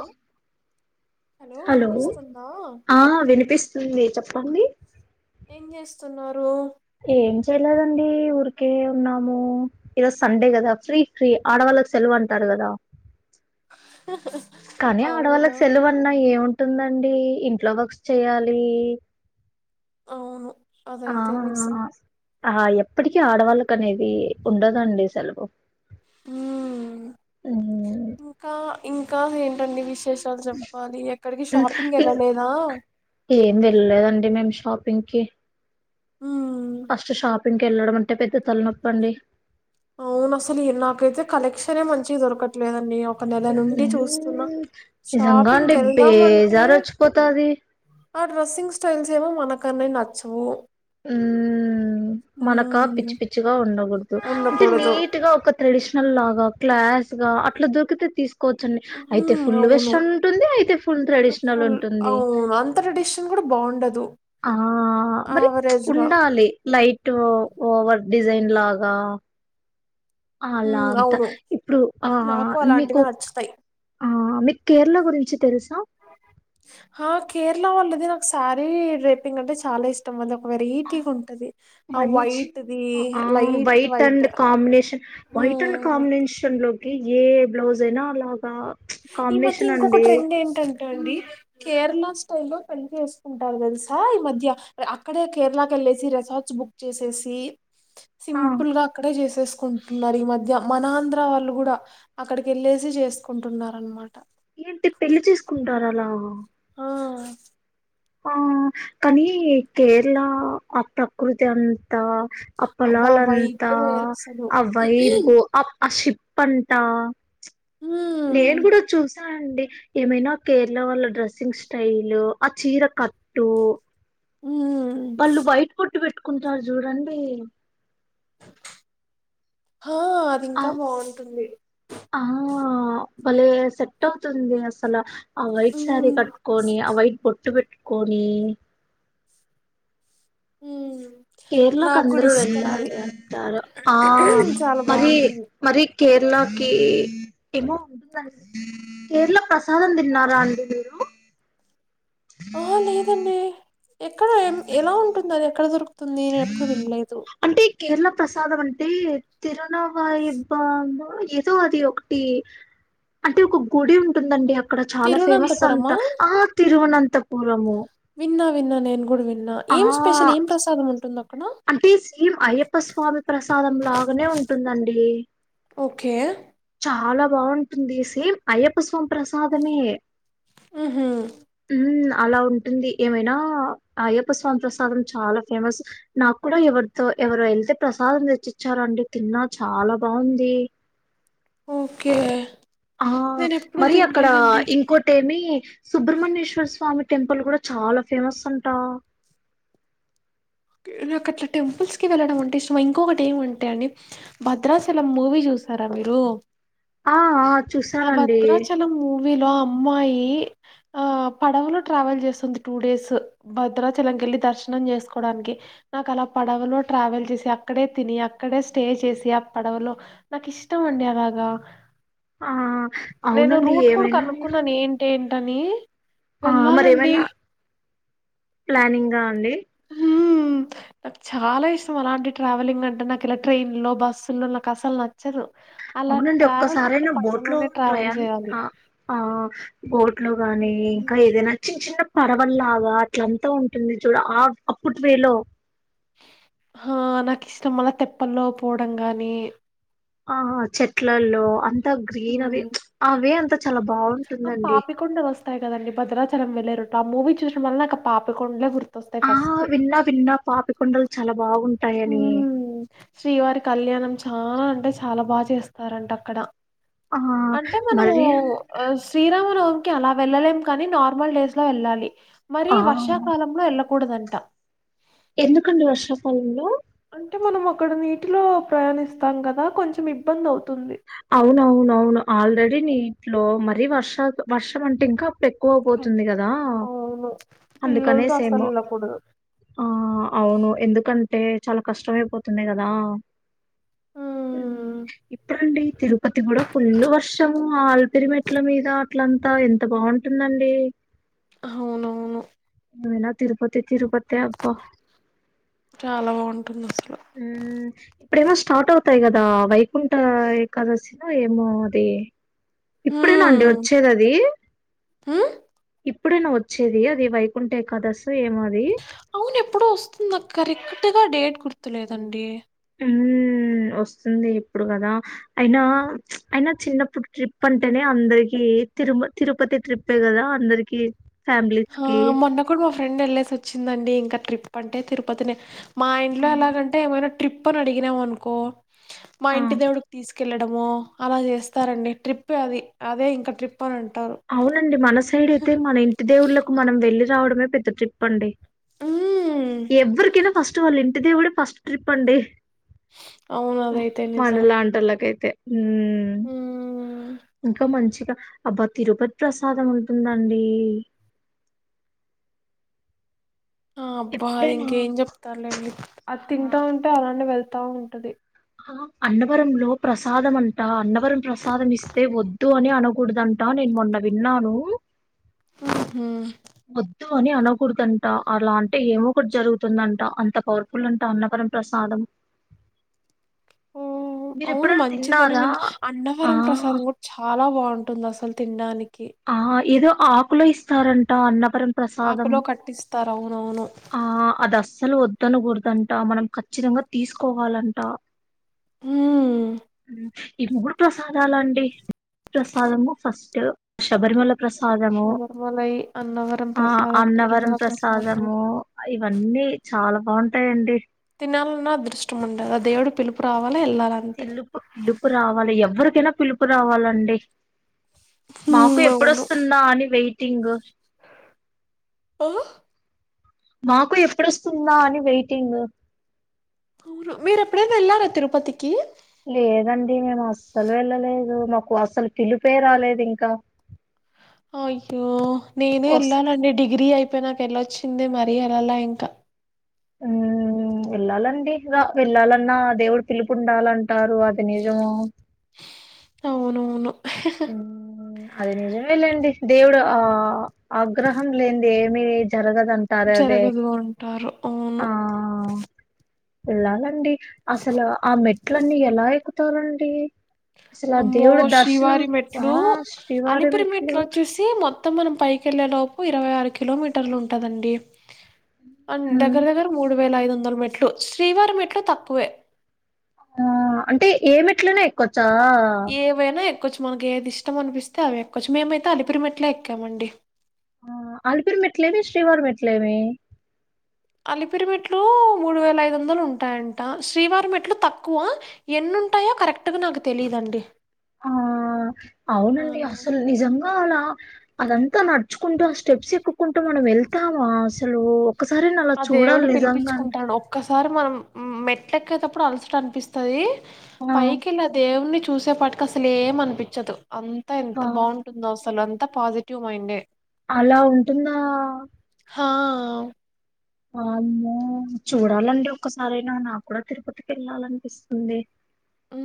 ఉమ్ hello ఆ వినిపిస్తుంది చెప్పండి ఏం చేస్తున్నారు ఏం చెయలేదండి ఊరికే ఉన్నాము ఇరోజు సండే కదా ఫ్రీ ఫ్రీ ఆడవాళ్ళకి సెలవు అంటారు కదా కానీ అవునా ఆడవాళ్ళకి సెలవ అన్నా ఏము ఉంటుందండి ఇంట్లో వర్క్స్ చేయాలి అవును ఆ అదైతే నిజం ఆ ఎప్పటికీ ఆడవాళ్ళక అనేది ఉండదండి సెలవు ఉహ్ ఉమ్, ఇంకా ఇంకా ఏంటండి విష్ విశేషాలు చెప్పాలి ఎక్కడికి షాపింగ్ ఇం- ఎల్లలేదా పింకిీ ఫస్ట్ షాప్ ఇంకెళ్ళడం అంటే పెద్ద తలనొప్పండి అవును అసలు నాకైతే కలెక్షన్ మంచి దొరకట్లేదండి ఒక నెల నుండి చూస్తున్నా ఉమ్మ్ నిజంగా అండి షాపింగ్కి వెళ్దామంటే బేజారి వచ్చి పోతాది ఆ డ్రెస్సింగ్ స్టైల్స్ ఏమో మనకన్నీ నచ్చవు ఉమ్ మనక పిచ్చి ఉమ్ పిచ్చిగా ఉండకూడదు అంటే ఉండకూడదు నీట్ గా ఒక ట్రేడి షనల్ లా క్లా గా అట్లా దొరికితే తీసుకొచ్చు కోచ్ అండి అయితే ఉమ్ ఫుల్ అవును వెస్నల్ ఉంటుంది అయి ఫుల్ ట్రెడిషనల్ ఫుల్ ఉంటుంది అవును అంత ట్రెడిషన్ కూడా బాగుండదు ఆ మరి ప్చ్ యావరేజ్ గా ఉండాలి లైట్ ఓహ్ ఓవర్ డిజైన్ లాగా అలా ఉమ్, అంత అవును ఇప్పుడు ఆ నాకు మీకు అలాంటివే నచ్చుతాయి ఆ మీ కేరళ గురించి తెలుస ఆ కేరళ వాళ్ళది నాకు శారీ డ్రైపింగ్ అంటే చాలా ఇష్టం అది వెరైటీగా ఉంటది ఆ మంచి వైట్ ది ఆ light white and combination white and um combination లోకి ఏ బ్లూస్ ఐన ఈ మధ్య ఇంకొక ట్రెండ్ ఏంటంటె అండి కేరళ స్టైల్లో పెళ్లి చేసుకుంటారు తెలుసా ఈ మధ్య అక్కడే కేరళకి వెళ్ళేసి రిసార్ట్స్ బుక్ చేసేసి ఆ సింపుల్ గా అక్కడే చేసేస్త కుంటున్నారు ఈ మధ్య మన ఆంధ్ర వాళ్ళు కూడా అక్కడికి వెళ్ళేసి చేసుకుంటున్నా అనమాట ఏంటి పెళ్లి చేసుకుంటార అలా ఆ ఆ కానీ కేరళ ఆ ప్రకృతి అంతా ఆ అబ్బా వైబే పొలాలంతా వేరు అసలు ఆ వైబు ఆ షి పంట నేను ఉమ్ కూడా చూసా అండి ఏమైనా కేరళ వాళ్ళ డ్రెస్సింగ్ స్టైల్లు ఆ చీర కట్టు ఉమ్ వళ్ళు వైట్ బొట్టు పెట్టు కుంటారు చూడండి ఆ అది ఆ ఇంకా బాగుంటుంది ఆ బాలే సెట్ అవుతుంది అసలు ఆ వైట్ సారీ ఉమ్ కట్టుకొని ఆ వైట్ బొట్టు పెట్ కోడి హు కేరళకు అందరు వెతారు అంటారు ఆ చాలా మరి బాగుంటుంది మరి కేరళకి ఏమో ఉంటుందండి కేరళ ప్రసాదం తిన్నారా అండి మీరు ఆ లేదండి ఎక్కడ ఎం ఎలా ఉంటుంది అది ఎక్కడ దొరుక్ తుంది నేను ఎప్పుడు విన్లేదు అంటే కేరళ ప్రసాదం అంటే తిరు నవ ఇబ్బ ఏదో అది ఒకటి అంటే ఒక గుడి ఉంటుందండి అక్కడ చాలా ఫేమస్ అంట తిరువనంతపురమా ఆ తిరువునంత్ తపురము విన్నా విన్నా నేన్ గుడు విన్ ఆ అంటే సేమ్ అయ్యప్ప స్వామి ప్రసాదం లాగానే ఉంటుందండి ఓకే చాలా బాగుంటుంది సేమ్ అయ్యప్ప స్వామిపసాదమే హుహు అలా ఉంటుంది ఏమైనా అయ్యప్ప స్వామి ప్రసాదం చాలా ఫేమస్ నాకు కూడా ఎవరితో ఎవరో వెళ్తే ప్రసాదం తెచ్చిచ్చారండి తిన్నా చాలా బాగుంది ఓకే ఆ నేను ఎప్పుడూ మరి అక్కడ తినలేదండి. ఇంకోటేమి సుబ్రమణ్యేశ్వర స్వామి టెంపుల్ కూడా చాలా ఫేమస్ అంటా నాకు అట్ల టెంపుల్స్ కి వెళ్ళడం అంటే ఇష్టం ఇంకొకటేమంటే అండి భద్రాచలం మూవీ చూసారా మీరు ఆ ఆ చూశానండి వీళ్ళ అమ్మాయి ఆ పడవలో ట్రావెల్ చేస్తుంది టూ డేస్ భద్రాచలం కెళ్ళి దర్శనం చేసుకోని డానికి నాకలా పడవలో ట్రావెల్ చేసి అక్కడే తిని అక్కడే స్టే చేసి ఆ పడవలో నాకిష్టం అండి అలాగ ఆ! నేను అవునండి. రూట్ కూడా ఏమైనా గూడా కనుక్కున్నాను ఏంటేం టని ఆ మరేమైనా ప్లానింగా అండి మ్ నాకు చాలా ఇష్టం అలాంటి ట్రావెలింగ్ అంటే నాకిలా ట్రైన్ లో బస్సుల్లో నాకస్సలు న అవునండి ఒక్కసారైనా బోట్ లో పడవలోనే ట్రావెల్ ట్రయాన్ చేయాలి ఆ బోట్ ట్ లో గాని ఇంకా ఏదైనా చిన్న చిన్న పడవల్లాగా అట్లంతా ఉంటుంది చూడు ఆ అప్పుటి వేలో హా నాకిష్టం అలా తెప్పల్లో పోవడం గాని ఆ చెట్లల్లో అం త గ్రీనరి హ్మ్ ఆ వే అంతా చాలా బావుంటుందండి టాయి కదండి భద్రాచలం వెళ్లేరూట్ ఆ మూవీ చూసినప్పుడల్లా నాకు పాపికొండలే గుర్ ఆ విన్నా విన్నా పాపికొండలు చాలా బాగుంటాయని మ్ శ్రీవారి కళ్యాణం ఆ అంటే చాలా బా చేస్తారంటక్కడ ఆ అంటే మనము మరి ఆ శ్రీరామనవమి కే అలా వెళ్ళలేం కాని నార్మల్ డేస్ లో వెళ్ళాలి మరి ఆ వర్షాకాలంలో ఎళ్ళకూడదం [unintelligible] ఎందుకండి వర్షాకాలంలో అంటే మనం అక్కడ నీటిలో ప్రయాణిస్తాం కదా కొంచెం ఇబ్బంది అవుతుంది అవునవునవును ఆల్రెడీ నీట్లో మరీ వర్ష వర్షం అంటే ఇంకా ఎక్కువ పోతుంది కదా అవును పిల్లలతో అస్సలు అందుకనేసేమో వెళ్ళకూడదు ఆ అవును ఎందుకం టే చాలా కష్టమైపోతుంది కదా హ్మ్ తిరుపతి కూడా ఫుల్ ట్లంతా ఎంత బావుంటుందండి అవునవును నువ్వేనా తిరుపతి తిరుప చాలా బావుంటుందసలు మ్ ఇప్పుడేమో స్టార్ట్ అవుతాయి కదా వై కుంట ఏకాదశి నా ఏమో అది ఇప్పుడేనా అండి వచ్చేది. అది హ్ ఇప్పుడేన వచ్చేది. అది వైకుంఠ ఏకాదస్ అవును ఎప్పుడో వస్తుంది. అక్క క్రిక్ కొత్తగా డేట్ గుర్తులేదండి. హ్మ్ వస్తుంది. ఇప్పుడు కదా అయినా ప్చ్ అయినా చిన్నప్పుడు ట్రిప్ అంటేనే అందరికి తిరుమల్ తిరుపతి ట్రిప్పే కదా అందరికి హా మొన్నకుడ్ మా ఫ్రెండ్ వెళ్ళేసి వచ్చిందండి. ఇంకా ట్రిప్ అంటే తిరుపతినే మా ఇంట్లో హ్మ్. ఎలాగంటే ఏమైనా ట్రిప్ అని అడిగినామనుకో మా ఆ! ఆ. ఇంటి దేవుడ్క్ తీసుకెళ్ళడమో అలా చేస్తారండి. ట్రిప్పే అది అదే ఇంకా ట్రిప్ అని అంటారు అవునండి. మన సైడ్ అయితే మన ఇంటి దేవుళ్ళక్ మనం వేళ్ళిరావడమే పెద్ద ట్రిప్ అండి. హ్మ్ ఎవరికైనా ఫస్ట్ వాళ్ళ ఇంటి దేవుడే ఫస్ట్ ట్రిప్ అండి. అవును మ్మ్ అదైతే నిజం మనలాంటోల్లకైతే హ్మ్ హ్మ్ ఇంకా మంచి అబ్బత్ తిరుపత్ ప్రసాదం ఉంటుందండి. ఆ అబ్బా అది ఎప్పుడైనా ఇంకేం చెప్తారులేండి. అది ఆ! తింటా ఉంటే అలానేం. వెళ్తా ఉంటది. అన్నవరంలో ప్రసాదం అంటా అన్నవ్ వరం ప్రసాదం ఇస్తే వద్దు అని ఏ అనకూడదంటా నేను మొన్న విన్నాను. ఉహు వద్దు అని అనకూడదంటా. అలా అంటే ఏమో ఒకటి జరుగుతుందంట అంత పవర్ఫుల్ అంట అన్నపరం ప్రసాదం. ఓ మీరు అవును ఎప్పుడైనా మంచిదని తిన్నారా విన్ ఆ అన్నవరం ప్రసాదం కూడా చాలా బాగుంటుంది. అసలు తినడానికి ఆ ఇదో ఆకుల్లో ఇస్తారంట. అన్న పరం ప్రసాదం. ఆకులో కట్టిస్తారు అవునవును. ఆ అది అస్సలు వ త్తనకూడదంట. మనం ఖచ్చితంగా తీసుకోవాలంట. హ్మ్. హ్మ్ ఈ మూడు ప్రసాదాలండి. మ్మ్ ప్రసాదము ఫస్ ట శబరిమల ప్రసాదము శబరిమలై, అన్నవరం ఆ ప్రసాదం, అన్నవరం తిరుమల ప్రసాదం ప్రసాదము ఇవన్నీ చాలా బాగుంటాయండి అదృష్టం ఉండల్ ఆ దేవుడు పిలుపు రావాల తిల్లుపు పిల్లుపు రావాలి ఎవరూ నా పిలుపు రావాలండీ మాకు హ్మ్. ఎప్పుడొస్తుందా అని వెయిట్ తింగు హా మాకు ఎప్పుడొస్తుందా అని వెయిటింగ్ అవును మీరు ఎప్పుడైనా ఎళ్ళారా తిరుపతికి లేదండి మేము అస్సలు వెళ్ళలేదు మాకు అస్సలు పిలిపే రాలేదు ఇంకా అయ్యో నేనే వస్ ఎల్లనండి డిగ్రీ అయిపో పోనక ఎళ్లొచ్చిందే మరీ ఎల్లల ఇంకా హ్మ్ వెళ్ళాలండి రా వెళ్ళాలన్నా దేవుడు పిలుపు ఉండాలంటారు అది నిజమో. అవునవును అది నిజమెలెండి దేవుడు ఆ ఆగ్రహం లేంది ఏమి జ్ జరగదంటారె అదే జరగదు అంటారు. అవును. ఆ ఎలానండి అసలు ఆ మెట్లన్నీ ఎలా ఎక్ తోరండి అసలు దేవుడ దర్శనం ట్లు శ్రీవారి అలిపిరి మెట్లు మెట్లోచేసి మొత్తం మనం పైకెళ్ళేలోపు ఇరవై ఆరు కిలోమీటర్లు ఉంటదండి అన్ ఉమ్, దగర దగర్ మూడు వేల ఐద్ వన్ వందరు మెట్లు శ్రీవారి మెట్లు తక్కువే ఆ అంటే ఏమిట్లనే ఎక్కువచ్ చా చ కొచ్చు మనకి ఏది ఇష్టం అనిపిస్తే అవి ఎక్కొచు మేమైతే అలిపిరిమెట్ల ఎక్కామండి అలిపిరు మెట్లేవి శ్రీవార్ మెట్లేవి. అలిపిరి మెట్లు మూడు వేల ఐదు వందలు ఉంటాయంట శ్రీవారి మెట్లు తక్కువ ఎన్నుంటాయో కరెక్ట్గా నాకు తెలీదండి. ఆ అవునండి ఆ అసలు నిజంగా అలా అదంతా నడుచుకుంటూ ఆ స్టెప్స్ ఎక్కుంటూ మనం వెళ్తామా అసలు ఒక్కసారైనా అలా ఆ దేవుడు చూడాలి నిజంగా అంటే పిలిపించుకుంటాడు ఒక్కసారి మనం మెట్లెక్కేటప్పుడు అలసట అనిపిస్తది ఆ పయికిిలా దేవునిచు చూసేపాటికి అసలు ఏం అనిపిచ్చదు అంతా ఎంత ఆ, బాగుంటుందో అసలు అన్ పాజిటీవ్ మైండే అలా ఉంటుందా హా చూడాలండి ఒక్కసారయినా నాకు కూడా తిరుపతికి వెళ్ళాలనిపిస్తుంది ఉ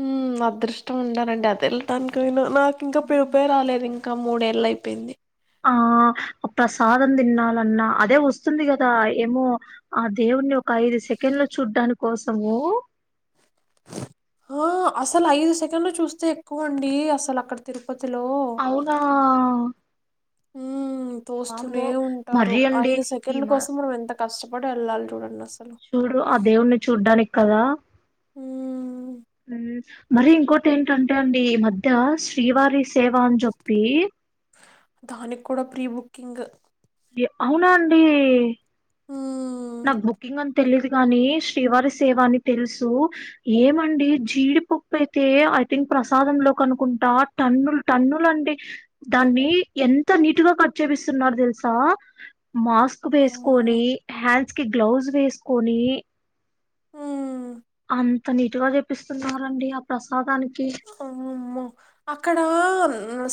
అదృష్టం ఉండాలండి అది వెళ్ళటానికైన నాకు ఇంకా పిలుపే రాలేదు ఇంక్ ఇంకా మూడేళ్ళు అయిపోయింది ఆ ప్రసాదం తిన్నలన్నా అదే వస్తుంది కదా ఏమో ఆ దేవుని ఒక ఐదు సెకెన్లు చూడ్డాని కోసము ఆ అసలు ఐదు సెకండ్లు చూస్తే ఎక్కువ అండి అసలు అక్కడ తిరుపతిలో అవునా హు తోస్తూనే వామ్మో ఉంటారు మరీ అండి ఐదు ఈ సెకండ్ల మ కోసం మనం ఎంత కష్టపడి ఎల్లాల్ చూడండ్ చూడు ఆ దేవుణ్ణి చూడ్డానిక్ కదా ఊ ఉ మరి ఇంకోటి ఏంటంటే అండి ఈ మధ్య శ్రీవారి సేవా అని చెప్పి దానికి కూడా ప్రీబుక్కింగ్ ఎ అవునా ఆండీ హ్మ్ నాక్ బుకింగ్ ఆన్ తెలీదు కాని శ్రీవారి సేవ అని తెలుసు ఏమండి జీడిపప్పు అయితే ఐ థింక్ ప్రసాదం లో కనుకుంటా టన్నులు టన్నులు అండి దాన్ని ఎంత నీటుగా కట్ చేపిస్తున్నారు తెలుసా మాస్క్ అమ్మో వేసుకొని హ్యా కి గ్లౌజ్ వేసుకొని ఆ అం [unintelligible] నీటుగా చెపిస్తున్నరండి ఆ ప్రసాదాని అమ్మమ్మో అక్కడా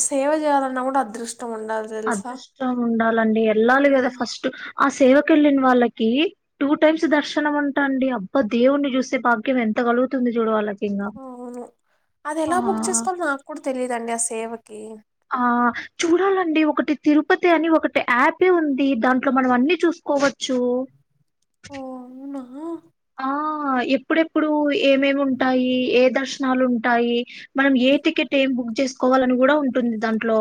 సేవ చేయాలన్నా కూడా అదృష్ అదృష్టం ఉండాలండి ఎల్లాలి కదా హ్మ్ ఫస్ట్ ఆ సేవకు వెళ్ళిన వాళ్ళకి టూ టైమ్స్ దర్శనం అంట అండి అబ్బా దేవుణ్ణి చూసే భాగ్యం ఎంత కలుగుతుంది చూడు వాళ్ళక్ అవును అది ఎలా బుక్ చేసుకోవాలో నాకు కూడా తెలిదు దన సేవకి ఆ చూడాలండి ఒకటి తిరుపతి అని ఒకటి యాపే ఉంది దాంట్లో మనం అన్ని చూసుకోవచ్చు. ఓ అవునా ఆ ఎప్పుడెప్పుడు ఏమేమి ఉంటాయి ఏ దర్శనాలు ఉంటాయి మనం ఏ టికెట్ ఏం బుక్ చేసుకోవాలన్ కూడా ఉంటుంది దాంట్లో.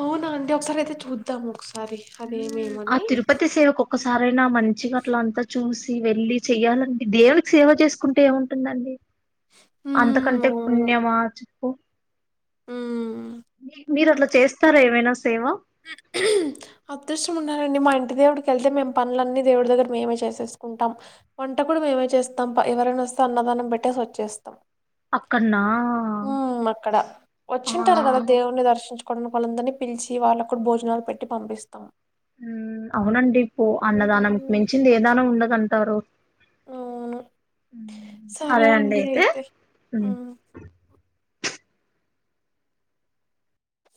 అవునా అండి ఒకసారి అయితే చూద్దాం ఒకసా సరే అదేమేమని క్కసారైన్ నా మంచిగ అట్ల అంతా చూసి వెళ్ళి చెయ్యాలండి దేవునికి సేవ చేసుకుంటే ఏముంటుందండి హ్మ్ అంతకంటే అవును పుణ్యమా ప్ హ్మ్ మీ మీరు అట్ల చేస్తారా ఏవైనా సేవ అదృష్టం ఉన్నారండి మా ఇంటి దేవుడికెళ్తే మేము పనులన్నీ దేవుడి దగ్గర మేమే చేసేసుకుంటాం వంట కూడా మేమే చేస్తాం ఎవరైనా వస్తే అన్నదానం పెట్టేసొచ్చేస్తాం. అక్కన్నా హ్మ్ అక్కడ వచ్చింటారు కదా ఆ దేవున్నీ దర్శించు కొ కొలందరిని పిలిచి వాళ్ళ కూడ్ భోజనాలు పెట్టి పంపిస్తాం హ్మ్ అవునండి ఓ అన్నదానం హ్మ్. మించింది ఏ దానం ఉండదన్ టరు అవును సరే అండి అయితే హ్మ్